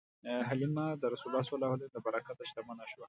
حلیمه د رسول الله ﷺ له برکته شتمنه شوه.